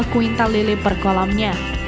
kuintal lele per kolamnya